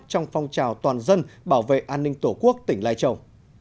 trong phong trào toàn dân bảo vệ an ninh tổ quốc tỉnh lai châu